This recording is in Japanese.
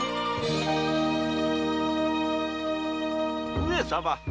上様。